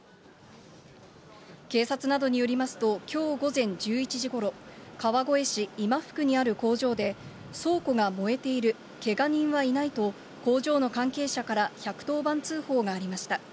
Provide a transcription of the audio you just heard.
警察などによりますと、きょう午前１１時ごろ、川越市いまふくにある工場で、倉庫が燃えている、けが人はいないと、工場の関係者から１１０番通報がありました。